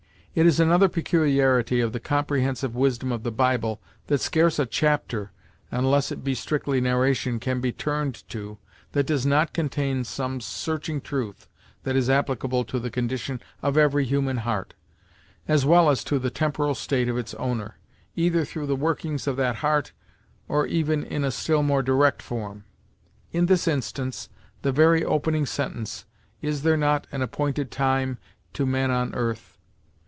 It is another peculiarity of the comprehensive wisdom of the Bible that scarce a chapter, unless it be strictly narration, can be turned to, that does not contain some searching truth that is applicable to the condition of every human heart, as well as to the temporal state of its owner, either through the workings of that heart, or even in a still more direct form. In this instance, the very opening sentence "Is there not an appointed time to man on earth?"